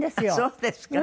そうですか。